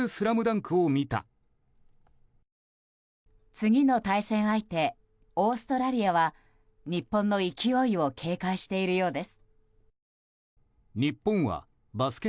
次の対戦相手オーストラリアは日本の勢いを警戒しているようです。